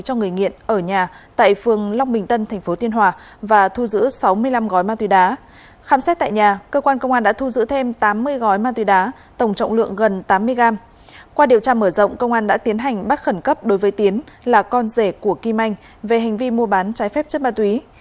trước điều tra mở rộng công an đã tiến hành bắt khẩn cấp đối với tiến là con rể của kim anh về hành vi mua bán trái phép chất ma túy